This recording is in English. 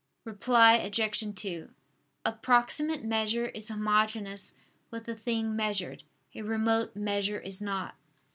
Reply Obj. 2: A proximate measure is homogeneous with the thing measured; a remote measure is not.